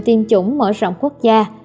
tiêm chủng mở rộng quốc gia